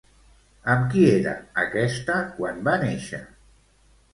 Amb qui era aquesta quan va néixer?